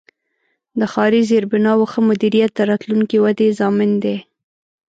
د ښاري زیربناوو ښه مدیریت د راتلونکې ودې ضامن دی.